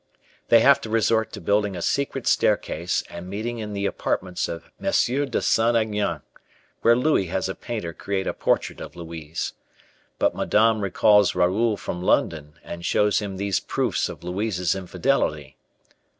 They have to resort to building a secret staircase and meeting in the apartments of M. de Saint Aignan, where Louis has a painter create a portrait of Louise. But Madame recalls Raoul from London and shows him these proofs of Louise's infidelity.